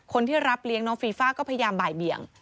คนที่รับเลี้ยงน้องฟีฟ่าก็พยายามบ่ายเบี่ยง